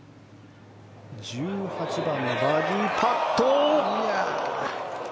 １８番のバーディーパット。